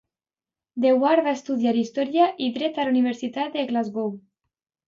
Dewar va estudiar Història i Dret a la Universitat de Glasgow.